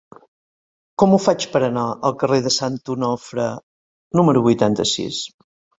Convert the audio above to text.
Com ho faig per anar al carrer de Sant Onofre número vuitanta-sis?